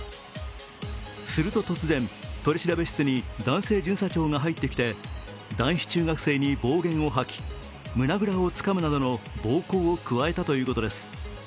すると突然、取調室に男性巡査長が入ってきて男子中学生に暴言を吐き、胸ぐらをつかむなどの暴行を加えたということです。